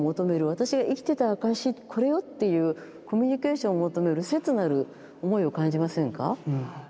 私が生きてた証しこれよっていうコミュニケーションを求める切なる思いを感じませんか？